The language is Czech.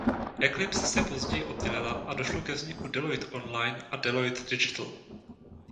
Eclipse se později oddělila a došlo ke vzniku Deloitte Online a Deloitte Digital.